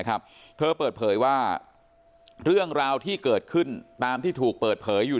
เธอเปิดเผยว่าเรื่องราวที่เกิดขึ้นตามที่ถูกเปิดเผยอยู่